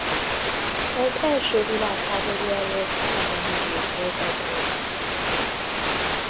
Az első világháború előtt nagyon nehéz volt az élet.